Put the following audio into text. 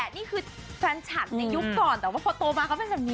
บอกว่านี่แหละนี่คือแฟนชัดในยุคก่อนแต่ว่าตัวตัวมาก็มันเป็นแบบนี้